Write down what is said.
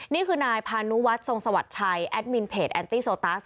นี่คือนายพานุวัฒนทรงสวัสดิ์ชัยแอดมินเพจแอนตี้โซตัส